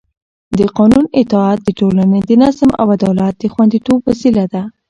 د قانون اطاعت د ټولنې د نظم او عدالت د خونديتوب وسیله ده